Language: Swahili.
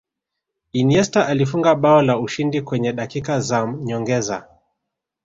iniesta alifunga bao la ushindi kwenye dakika za nyongeza